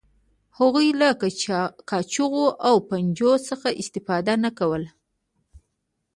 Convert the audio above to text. هغوی له کاچوغو او پنجو څخه استفاده نه کوله.